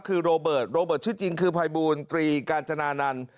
คือโรเบิร์ตโรเบิร์ตชื่อจริงคือภัยบูลตรีกาญจนานันต์